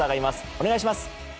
お願いします。